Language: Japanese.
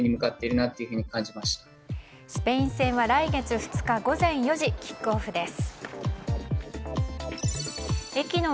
スペイン戦は来月２日午前４時キックオフです。